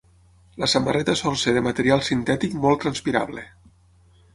La samarreta sol ser de material sintètic molt transpirable.